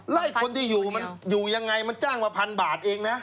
ล่ะคนที่อยู่ยังไงมันจะมาบาทเองนะ